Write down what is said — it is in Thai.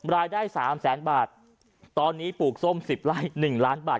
รายได้สามแสนบาทตอนนี้ปลูกส้ม๑๐ไร่๑ล้านบาท